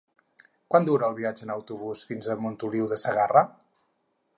Quant dura el viatge en autobús fins a Montoliu de Segarra?